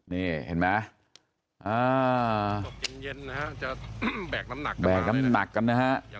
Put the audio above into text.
นี่เห็นไหมอ่าแบกน้ำหนักกันนะฮะ